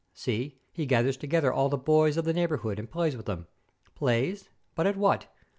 See, he gathers together all the boys of the neighbourhood and plays with them. Plays but at what?